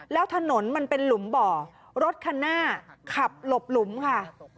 แล้วถนนมันเป็นหลุมบ่อรถคันหน้าขับหลบหลุมค่ะ